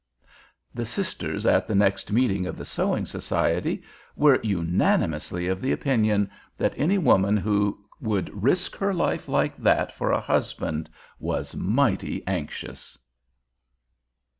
The sisters at the next meeting of the Sewing Society were unanimously of the opinion that any woman who would risk her life like that for a husband was mighty anxious.